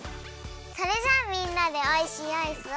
それじゃあみんなでおいしいアイスを。